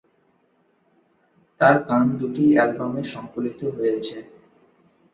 তাঁর গান দুটি অ্যালবামে সংকলিত হয়েছে।